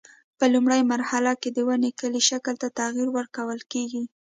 په لومړۍ مرحله کې د ونې کلي شکل ته تغییر ورکول کېږي.